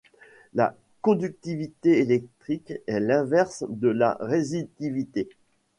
La conductivité électrique est l'inverse de la résistivité.